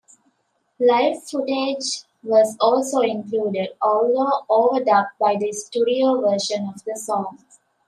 Live footage was also included, although overdubbed by the studio version of the song.